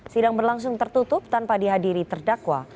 sidang berlangsung tertutup tanpa dihadiri terdakwa